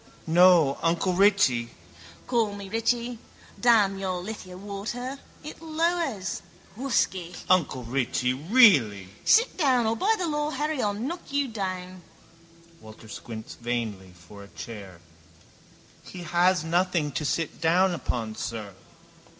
—No, uncle Richie... —Call me Richie. Damn your lithia water. It lowers. Whusky! —Uncle Richie, really... —Sit down or by the law Harry I'll knock you down. Walter squints vainly for a chair. —He has nothing to sit down on, sir.